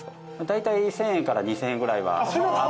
大体１０００円から２０００円ぐらいは。